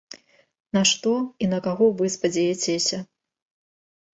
На што і на каго вы спадзеяцеся?